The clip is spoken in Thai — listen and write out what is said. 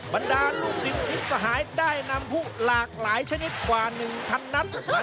บรรดาลูกศิษย์พิษสหายได้นำผู้หลากหลายชนิดกว่า๑๐๐นัด